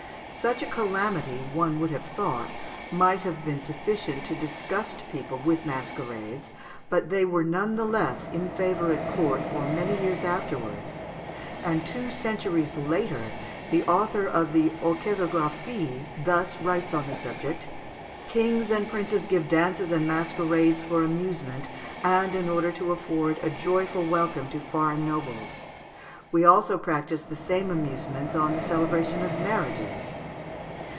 Such a calamity, one would have thought, might have been sufficient to disgust people with masquerades, but they were none the less in favour at court for many years afterwards; and, two centuries later, the author of the "Orchésographie" thus writes on the subject: "Kings and princes give dances and masquerades for amusement and in order to afford a joyful welcome to foreign nobles; we also practise the same amusements on the celebration of marriages."